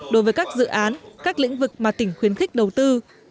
đối với các dự án các lĩnh vực mà tỉnh khuyến khích đầu tư